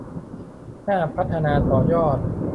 น่าพัฒนาต่อยอด